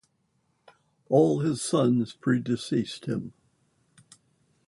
All his sons predeceased him.